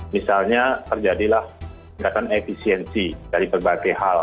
misalnya terjadilah gerakan efisiensi dari berbagai hal